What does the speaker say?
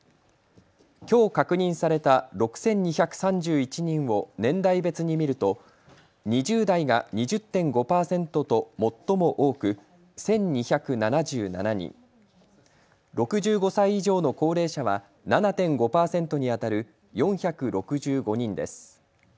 きょう確認された６２３１人を年代別に見ると２０代が２０．５％と最も多く１２７７人、６５歳以上の高齢者は７．５％にあたる４６５人です。